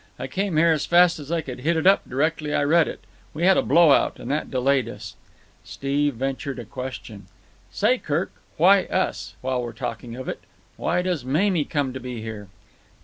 I came here as fast as I could hit it up directly I read it. We had a blow out, and that delayed us." Steve ventured a question. "Say, Kirk, why 'us,' while we're talking of it? How does Mamie come to be here?"